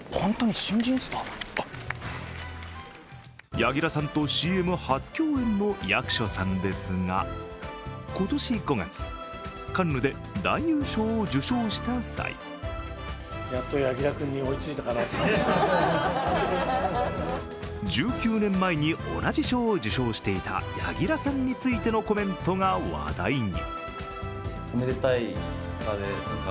柳楽さんとＣＭ初共演の役所さんですが今年５月、カンヌで男優賞を受賞した際１９年前に同じ賞を受賞していた柳楽さんについてのコメントが話題に。